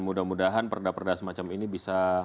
mudah mudahan perda perda semacam ini bisa